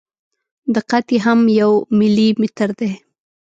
دقت یې هم یو ملي متر دی.